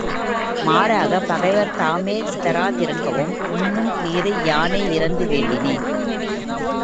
மாறாகப் பகைவர் தாமே தராதிருக்கவும், உண்ணும் நீரை யானே இரந்து வேண்டினேன்.